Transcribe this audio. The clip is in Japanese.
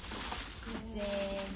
せの。